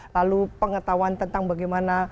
lalu pengetahuan tentang bagaimana